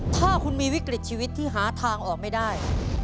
ถ้าคุณมีวิกฤตชีวิตที่หาทางออกไม่ได้